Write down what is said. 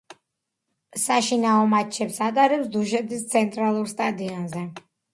საშინაო მატჩებს ატარებს დუშეთის ცენტრალურ სტადიონზე.